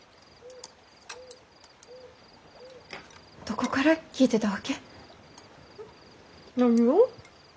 どこから聞いてたわけ？何を？